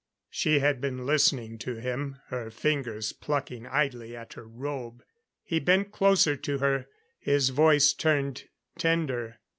She had been listening to him, her fingers plucking idly at her robe. He bent closer to her; his voice turned tender.